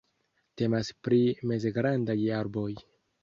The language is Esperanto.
Temas pri mezgrandaj arboj.